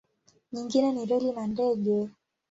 Nyingine ni reli na ndege.